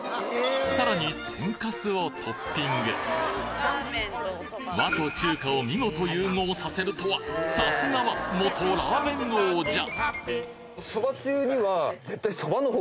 さらに天かすをトッピング和と中華を見事融合させるとはさすがは元ラーメン王者！